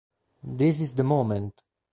This Is the Moment!